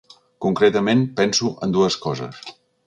Concretament, penso en dues coses.